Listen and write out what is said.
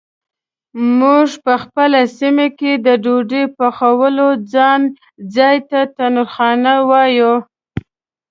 مونږ په خپله سیمه کې د ډوډۍ پخولو ځای ته تندورخانه وایو.